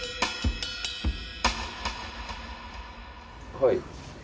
はい。